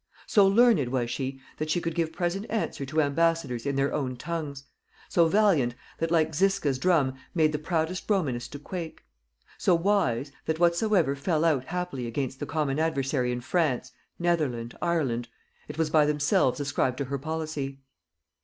So learned was she, that she could give present answer to ambassadors in their own tongues; so valiant, that like Zisca's drum made the proudest Romanist to quake; so wise, that whatsoever fell out happily against the common adversary in France, Netherland, Ireland, it was by themselves ascribed to her policy.